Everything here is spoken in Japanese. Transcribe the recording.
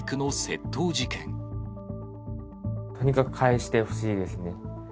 とにかく返してほしいですね。